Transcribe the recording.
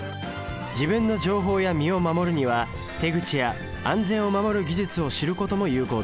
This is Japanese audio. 自分の情報や身を守るには手口や安全を守る技術を知ることも有効です。